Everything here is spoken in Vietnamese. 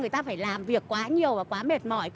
người ta phải làm việc quá nhiều và quá mệt mỏi